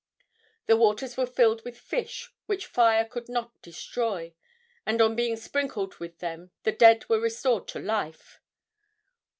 The waters were filled with fish which fire could not destroy, and on being sprinkled with them the dead were restored to life.